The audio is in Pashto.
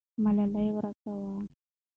ملالۍ ورکه وه.